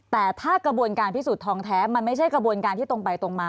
แต่ถ้ากระบวนการพิสูจนทองแท้มันไม่ใช่กระบวนการที่ตรงไปตรงมา